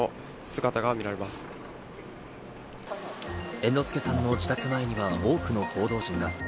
猿之助さんの自宅前には多くの報道陣が。